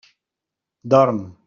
Dorm.